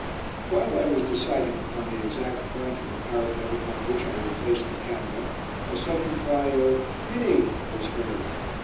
While I was deciding upon the exact point of the parapet upon which I would place the camera, a sudden cry of "Minnie" was heard.